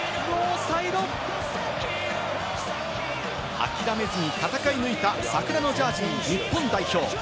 諦めずに戦い抜いた桜のジャージー、日本代表。